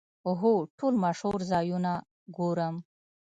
هو، ټول مشهور ځایونه ګورم